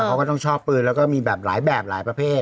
เขาก็ต้องชอบปืนแล้วก็มีแบบหลายแบบหลายประเภท